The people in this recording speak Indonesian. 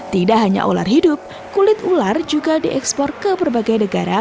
tidak hanya ular hidup kulit ular juga diekspor ke berbagai negara